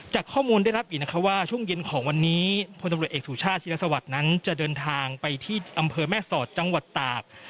จากข้อมูลได้รับอีกนะคะว่าช่วงเย็นของวันนี้พลตำรวจเอกสุชาติธิรสวัสดิ์นั้นจะเดินทางไปที่อำเภอแม่สอดจังหวัดตาก